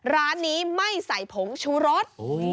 ร้านนี้ไม่ใส่ผงชูรส